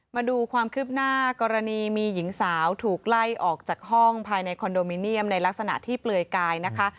มาดูความคืบหน้ากรณีมีหญิงสาวถูกไล่ออกจากห้องภายในคอนโดมิเนียมในลักษณะที่เปลือยกายนะคะ